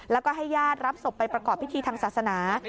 แล้วก็ให้ญาติรับศพไปประกอบพิธีทางศาสนา